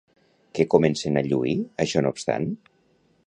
Què comencen a lluir, això no obstant?